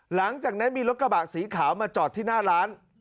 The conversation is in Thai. หลังจากนั้นมีรถกระบะสีขาวมาจอดที่หน้าร้าน